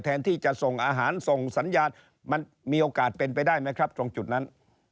แทนที่จะส่งอาหารส่งสัญญาณมันมีโอกาสเป็นไปได้ไหมครับตรงจุดนั้น